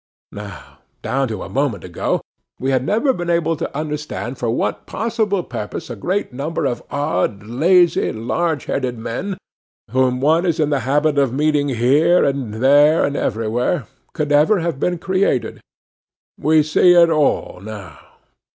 Now, down to a moment ago, we had never been able to understand for what possible purpose a great number of odd, lazy, large headed men, whom one is in the habit of meeting here, and there, and everywhere, could ever have been created. We see it all, now.